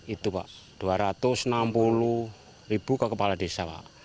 itu pak dua ratus enam puluh ribu ke kepala desa pak